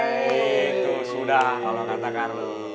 aii itu sudah kalo kata karlu